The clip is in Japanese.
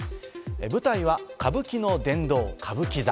舞台は歌舞伎の殿堂・歌舞伎座。